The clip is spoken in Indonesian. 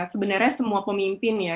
sebenarnya semua pemimpin ya